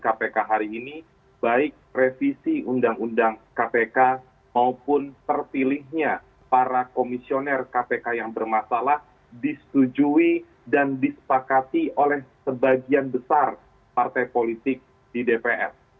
kpk hari ini baik revisi undang undang kpk maupun terpilihnya para komisioner kpk yang bermasalah disetujui dan disepakati oleh sebagian besar partai politik di dpr